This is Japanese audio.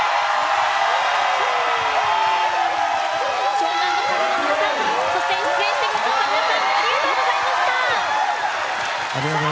湘南乃風の皆さんそして出演してくださった皆さんありがとうございました。